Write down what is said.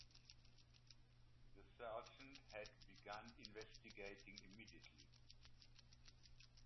The sergeant had begun investigating immediately.